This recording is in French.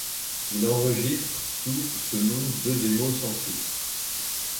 Il enregistrent sous ce nom deux démos sans titres.